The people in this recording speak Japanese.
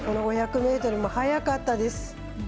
５００ｍも速かったです。